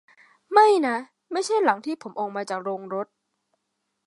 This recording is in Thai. ไม่นะ ไม่ใช่หลังที่ผมออกมาจากโรงรถ